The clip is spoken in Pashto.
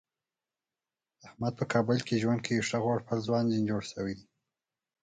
احمد په کابل کې ژوند کوي ښه غوړپېړ ځوان ترې جوړ شوی دی.